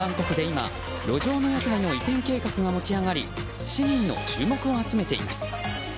タイの首都バンコクで今路上の屋台の移転計画が持ち上がり市民の注目を集めています。